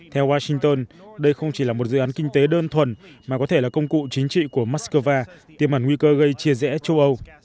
theo washington đây không chỉ là một dự án kinh tế đơn thuần mà có thể là công cụ chính trị của moscow tiêm hẳn nguy cơ gây chia rẽ châu âu